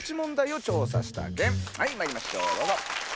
まいりましょうどうぞ。